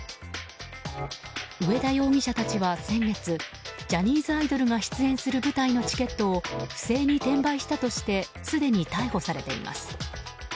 植田容疑者たちは、先月ジャニーズアイドルが出演する舞台のチケットを不正に転売したとしてすでに逮捕されています。